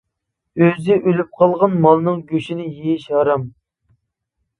ئۆزى ئۆلۈپ قالغان مالنىڭ گۆشىنى يېيىش ھارام.